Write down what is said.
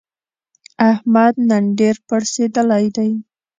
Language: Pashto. احمد نن ډېر پړسېدلی دی.